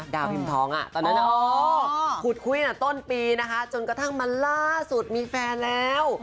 ดาวพิมพ์ท้องอะตอนนั้นโอ้ขุดคุยต้นปีนะคะจนกระทั่งมาล่าสุดมีแฟนแล้ว